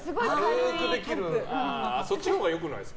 そっちのほうが良くないですか？